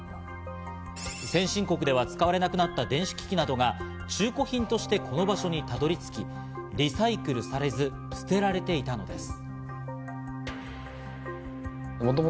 先進国では使われなくなった電子機器などが中古品としてこの場所にたどり着き、リサイクルされず捨てられていたんです。